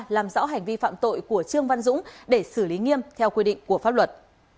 làm rõ hành vi phạm tội của trương văn dũng để xử lý nghiêm theo quy định của pháp luật